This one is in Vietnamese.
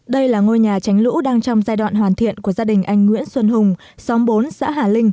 đây là ngôi nhà tránh lũ đang trong giai đoạn hoàn thiện của thành phố hương khê